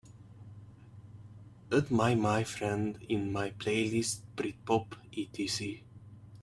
add mymy friend in my playlist britpop, etc